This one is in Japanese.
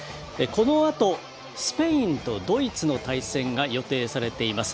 このあとスペインとドイツの対戦が予定されています。